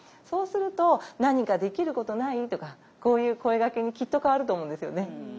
そうすると「何かできることない？」とかこういう声がけにきっと変わると思うんですよね。